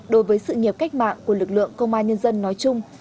đối với sự nghiệp cách mạng của lực lượng công an nhân dân nói chung